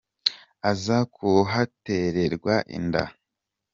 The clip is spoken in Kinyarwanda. aza kuhatererwa inda